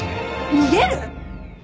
逃げる？